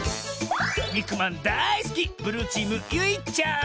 にくまんだいすきブルーチームゆいちゃん。